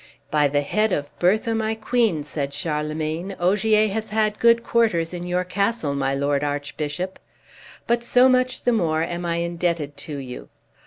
"By the head of Bertha, my queen," said Charlemagne, "Ogier has had good quarters in your castle, my Lord Archbishop; but so much the more am I indebted to you."